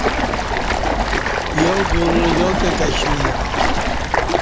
یا گُل یا کہ کشمیر